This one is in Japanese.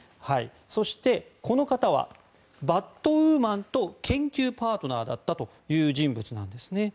そしてこの方はバットウーマンと研究パートナーだったという人物です。